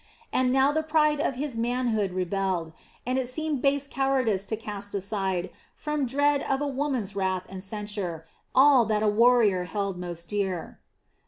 And now the pride of his manhood rebelled, and it seemed base cowardice to cast aside, from dread of a woman's wrath and censure, all that a warrior held most dear.